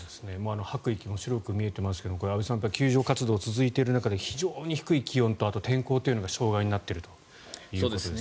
吐く息も白く見えていますが、救助活動が続いている中で非常に低い気温と天候が障害になっているということです。